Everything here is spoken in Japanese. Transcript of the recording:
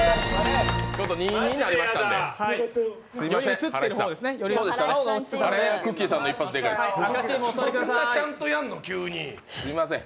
２−２になりましたんで澤部さん、すんません。